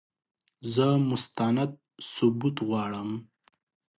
زه مستند ثبوت غواړم !